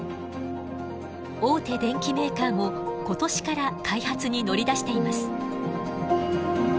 大手電機メーカーも今年から開発に乗り出しています。